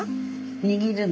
握るの。